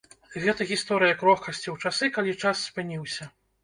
Гэта гісторыя крохкасці ў часы, калі час спыніўся.